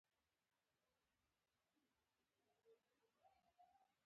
د سروبي بند په کابل کې دی